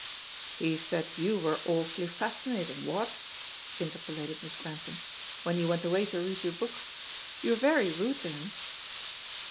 '" "He said you were arfly fascinatin' what," interpolated Miss Grantham, "when you went away to read your book. You were very rude to him."